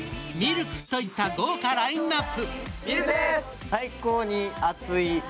ＬＫといった豪華ラインアップ。